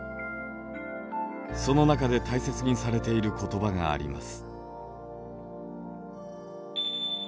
その中で大切にされている言葉があります。